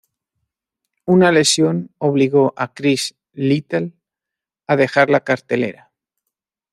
Una lesión obligó a Chris Lytle a dejar la cartelera.